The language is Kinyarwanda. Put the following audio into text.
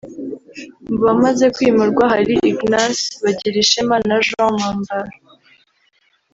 Mu bamaze kwimurwa hari Ignace Bagirishema na Jean Mpambara